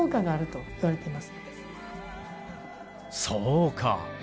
そうか。